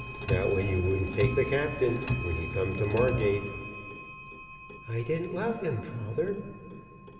"Not when you wouldn't take the Captain when he come to Margate." "I didn't love him, father.